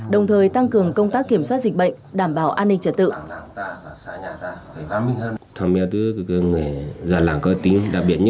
đồng thời tăng cường công tác kiểm soát dịch bệnh đảm bảo an ninh trật tự